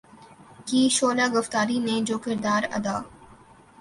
کی شعلہ گفتاری نے جو کردار ادا